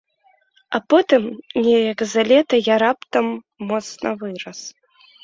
А потым неяк за лета я раптам моцна вырас.